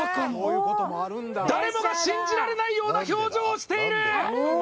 誰もが信じられないような表情をしている。